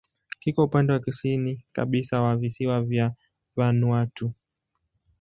Kiko upande wa kusini kabisa wa visiwa vya Vanuatu.